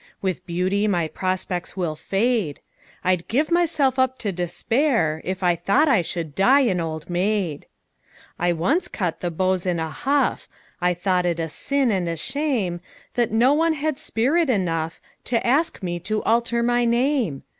With beauty my prospects will fade I'd give myself up to despair If I thought I should die an old maid! I once cut the beaux in a huff I thought it a sin and a shame That no one had spirit enough To ask me to alter my name.